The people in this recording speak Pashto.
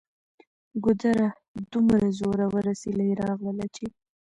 ګودره! دومره زوروره سیلۍ راغلله چې